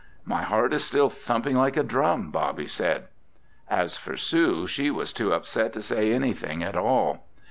"My heart is still thumping like a drum!" Bobby said. As for Sue, she was too upset to say anything at all.